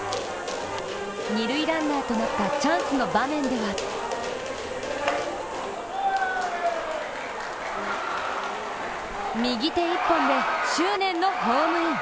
二塁ランナーとなったチャンスの場面では右手１本で執念のホームイン。